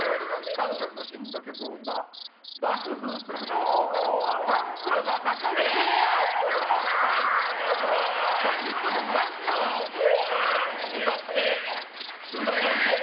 数々のヒット曲を生んだ爆風スランプサンプラザ中野くんが大ヒット曲「Ｒｕｎｎｅｒ」を歌ってくださると。